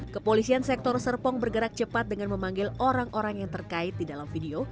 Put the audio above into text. kepolisian sektor serpong bergerak cepat dengan memanggil orang orang yang terkait di dalam video